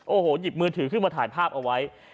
โอ้โหหยิบมือถือขึ้นมาถ่ายภาพเอาไว้